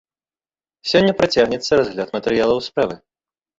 Сёння працягнецца разгляд матэрыялаў справы.